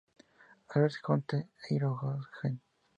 Álvarez Jonte e Irigoyen.